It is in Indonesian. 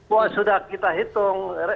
wah sudah kita hitung